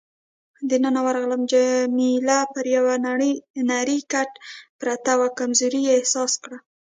دننه ورغلم، جميله پر یو نرۍ کټ پرته وه، کمزوري یې احساس کړه.